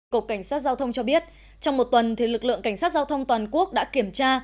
cục cảnh sát giao thông cho biết trong một tuần lực lượng cảnh sát giao thông toàn quốc đã kiểm tra